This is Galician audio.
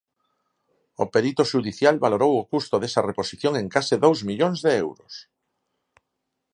O perito xudicial valorou o custo desa reposición en case dous millóns de euros.